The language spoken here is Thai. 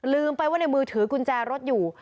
ลืมไปว่าในมือถือกุญแจรถอยู่